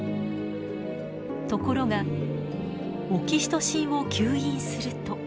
ところがオキシトシンを吸引すると。